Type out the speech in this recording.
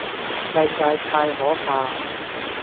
世界太可怕